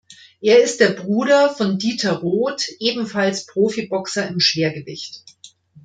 Er ist der Bruder von Dieter Roth, ebenfalls Profiboxer im Schwergewicht.